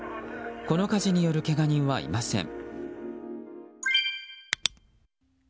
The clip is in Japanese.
この火事によるけが人はいません。